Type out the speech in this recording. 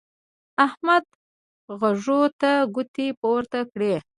احمد غوږو ته ګوتې پورته کړې.